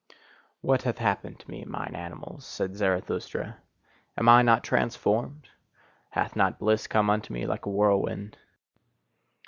What hath happened unto me, mine animals? said Zarathustra. Am I not transformed? Hath not bliss come unto me like a whirlwind?